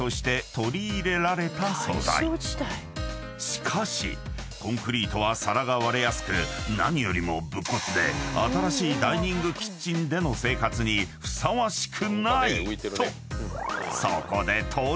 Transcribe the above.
［しかしコンクリートは皿が割れやすく何よりも無骨で新しいダイニングキッチンでの生活にふさわしくない！と］